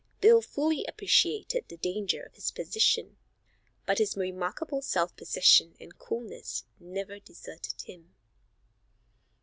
Bill fully appreciated the danger of his position, but his remarkable self possession and coolness never deserted him.